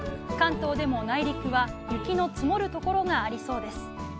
関東でも内陸は雪の積もるところがありそうです。